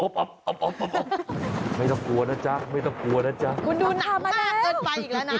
อบไม่ต้องกลัวนะจ๊ะคุณดูหนักมากเกินไปอีกแล้วนะ